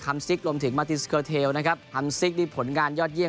ฮัมสิกลงถึงมาติสเกอร์เทลนะครับฮัมสิกมีผลงานยอดเยี่ยม